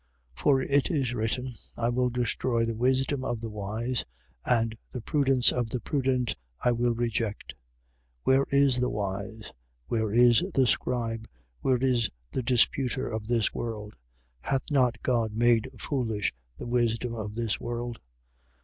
1:19. For it is written: I will destroy the wisdom of the wise: and the prudence of the prudent I will reject. 1:20. Where is the wise? Where is the scribe? Where is the disputer of this world? Hath not God made foolish the wisdom of this world?